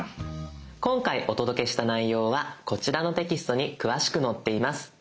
今回お届けした内容はこちらのテキストに詳しく載っています。